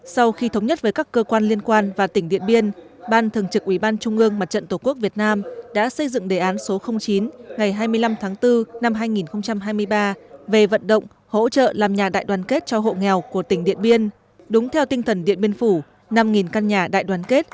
sau khi thống nhất với các cơ quan liên quan và tỉnh điện biên ban thường trực ủy ban trung ương mặt trận tổ quốc việt nam đã xây dựng đề án số chín ngày hai mươi năm tháng bốn năm hai nghìn hai mươi ba về vận động hỗ trợ làm nhà đại đoàn kết